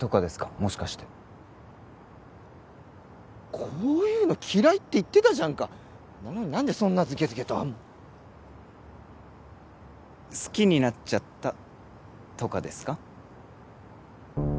もしかしてこういうの嫌いって言ってたじゃんかなのに何でそんなズケズケと好きになっちゃったとかですか？